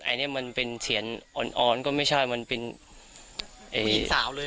อันนี้มันเป็นเฉียนอ่อนอ่อนก็ไม่ใช่มันเป็นไอ้สาวเลย